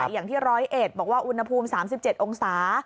อย่างที่ร้อยเอ็ดบอกว่าอุณหภูมิ๓๗องศา